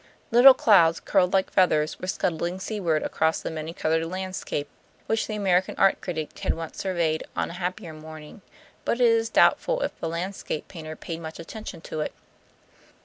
Little clouds curled like feathers, were scudding seaward across the many colored landscape, which the American art critic had once surveyed on a happier morning; but it is doubtful if the landscape painter paid much attention to it.